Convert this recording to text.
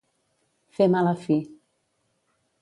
Fer mala fi.